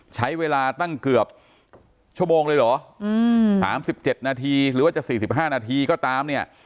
ใช้เวลาตั้งเกือบชั่วโมงเลยเหรอ๓๗นาทีหรือว่าจะ๔๕นาทีก็ตามเนี่ย